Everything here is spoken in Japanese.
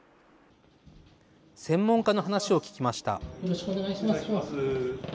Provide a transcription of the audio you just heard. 専門家の話を聞きました。